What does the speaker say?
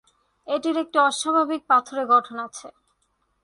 এটির একটি অস্বাভাবিক পাথুরে গঠন আছে।